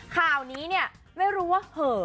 ข่าวนี้เนี่ยไม่รู้ว่าเหอะ